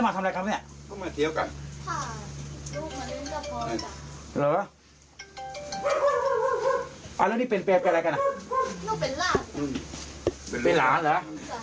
ไหนแล้วนี่เป็นเปรย์กันไง